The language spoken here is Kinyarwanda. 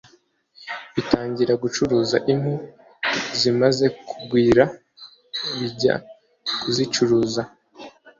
Bitangira gucuruza impu, zimaze kugwira, bijya kuzicuruza